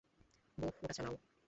বোহ, ওটা চালাও!